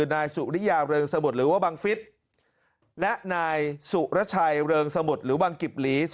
นายสุริยาเริงสมุทรหรือว่าบังฟิศและนายสุรชัยเริงสมุทรหรือบังกิบหลี